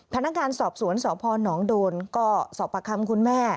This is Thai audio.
พนักงานสอบสวนสพนโดนก็สอบประคำคุณแม่